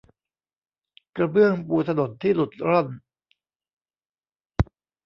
กระเบื้องปูถนนที่หลุดร่อน